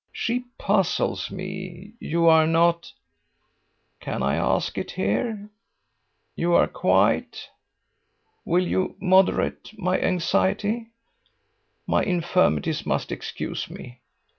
She puzzles me. You are not ... Can I ask it here? You are quite ...? Will you moderate my anxiety? My infirmities must excuse me."